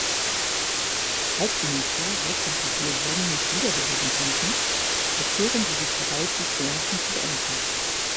Als ihnen klar wird, dass sie Dear Jonny nicht wiederbeleben konnten, erklären sie sich bereit, die Séancen zu beenden.